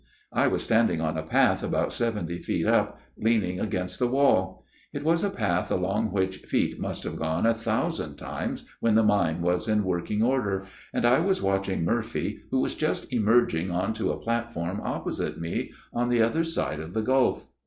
" I was standing on a path, about seventy feet up, leaning against the wall. It was a path along which feet must have gone a thousand times when the mine was in working order ; and I was watching Murphy who was just emerging on to a platform opposite me, on the other side of the gulf.